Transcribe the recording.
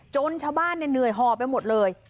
ชาวบ้านเหนื่อยห่อไปหมดเลย